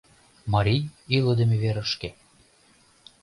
Марий илыдыме верышке.